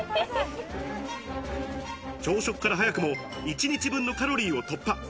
朝食から早くも１日分のカロリーを突破。